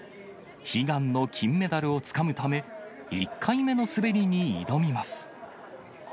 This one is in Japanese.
悲願の金メダルをつかむため、１回目の滑りに挑みます。